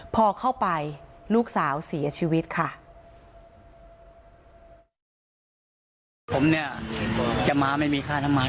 พอเข้าไปลูกสาวเสียชีวิตค่ะ